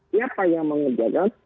siapa yang mengerjakan